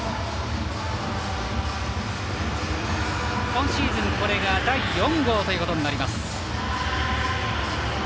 今シーズンこれが第４号ホームランということになります。